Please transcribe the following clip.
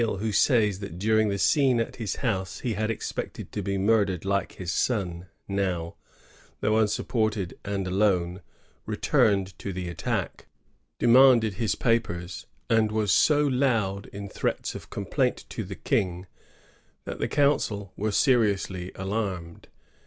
Dumesnil, who says ihat during the scene at his house he had expected to be muideied like his son^ now, though unsupported and alone, returned to the attack, demanded his papers, and was so loud in threats of complaint to the King that the council were seriously alarmed.